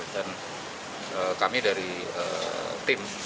dan kami dari tim